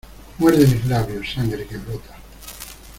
Muerde mis labios. Sangre que brota.